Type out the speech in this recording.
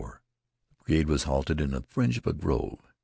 The brigade was halted in the fringe of a grove.